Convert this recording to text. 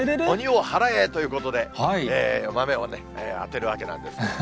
鬼を払えということで、豆をね、当てるわけなんです。